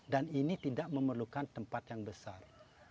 dan ini tidak memerlukan tempat yang besar